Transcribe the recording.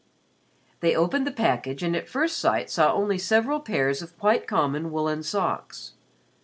They opened the package and at first sight saw only several pairs of quite common woolen socks.